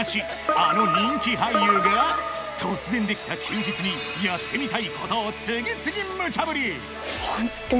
あの人気俳優が突然できた休日にやってみたいことを次々ムチャぶり］